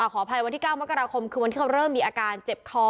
ขออภัยวันที่๙มกราคมคือวันที่เขาเริ่มมีอาการเจ็บคอ